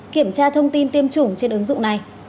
kiểm tra thông tin tiêm chủng trên ứng dụng này